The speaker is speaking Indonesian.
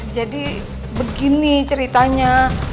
jadi begini ceritanya